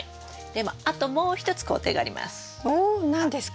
でもあともう一つ工程があります。